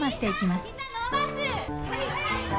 はい！